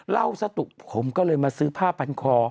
เล่าสัตว์ผมก็เลยมาซื้อผ้าปันคอ